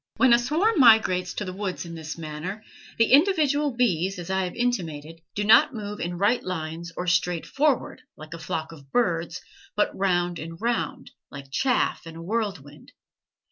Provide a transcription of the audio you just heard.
When a swarm migrates to the woods in this manner, the individual bees, as I have intimated, do not move in right lines or straight forward, like a flock of birds, but round and round, like chaff in a whirlwind.